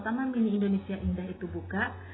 taman mini indonesia indah itu buka